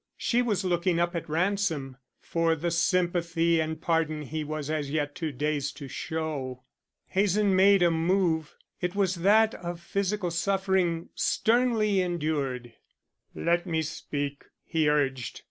She was looking up at Ransom for the sympathy and pardon he was as yet too dazed to show. Hazen made a move. It was that of physical suffering sternly endured. "Let me speak," he urged.